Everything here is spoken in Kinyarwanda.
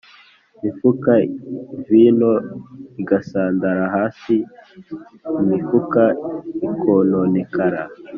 mifuka vino igasandara hasi imifuka ikononekara